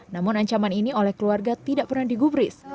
namun ancaman ini oleh keluarga tidak pernah digubris